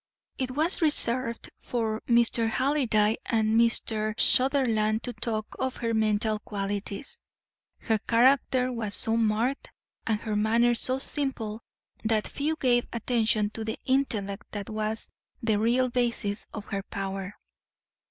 It was reserved for Mr. Halliday and Mr. Sutherland to talk of her mental qualities. Her character was so marked and her manner so simple that few gave attention to the intellect that was the real basis of her power.